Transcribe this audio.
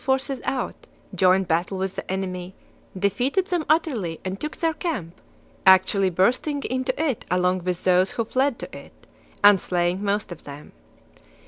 forces out, joined battle with the enemy, defeated them utterly, and took their camp, actually bursting into it along with those who fled to it, and slaying most of them.